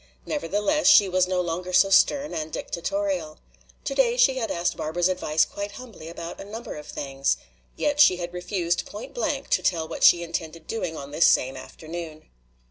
Nevertheless, she was no longer so stern and dictatorial. Today she had asked Barbara's advice quite humbly about a number of things. Yet she had refused point blank to tell what she intended doing on this same afternoon.